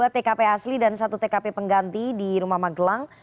dua tkp asli dan satu tkp pengganti di rumah magelang